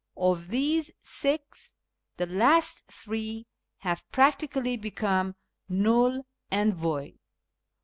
Of these six, the last three have practically become null and void.